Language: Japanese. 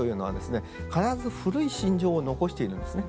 必ず古い心情を残しているんですね。